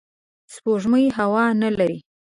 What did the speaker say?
سپوږمۍ هوا نه لري